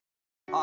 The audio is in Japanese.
あ！